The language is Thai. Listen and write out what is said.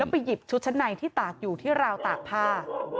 ไปหยิบชุดชั้นในที่ตากอยู่ที่ราวตากผ้า